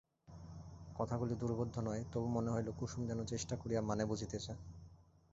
কথাগুলি দুর্বোধ্য নয়, তবু মনে হইল কুসুম যেন চেষ্টা করিয়া মানে বুঝিতেছে।